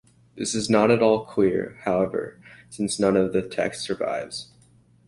This is not at all clear, however, since none of the text survives.